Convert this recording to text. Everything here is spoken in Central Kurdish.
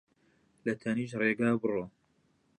لە تەنیشت ڕێگا بڕۆ